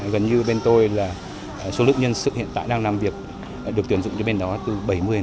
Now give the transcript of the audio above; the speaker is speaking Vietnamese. gần như bên tôi là số lượng nhân sự hiện tại đang làm việc được tuyển dụng cho bên đó từ bảy mươi đến tám mươi